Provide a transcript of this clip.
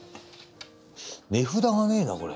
値札がねえなこれ。